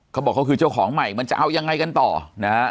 เขาบอกเขาคือเจ้าของใหม่มันจะเอายังไงกันต่อนะฮะ